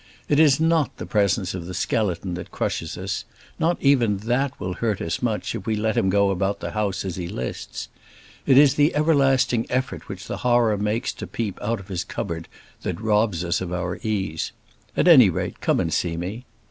It is not the presence of the skeleton that crushes us. Not even that will hurt us much if we let him go about the house as he lists. It is the everlasting effort which the horror makes to peep out of his cupboard that robs us of our ease. At any rate come and see me.